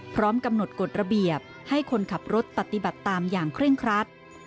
พร้อมกำหนดกฎระเบียบให้คนขับรถปฏิบัติตามอย่างเคร่งครัด